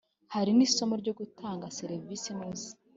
Hari n’isomo ryo gutanga serivisi inoze,